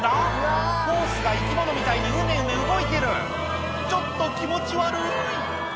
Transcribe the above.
ホースが生き物みたいにうねうね動いてるちょっと気持ち悪い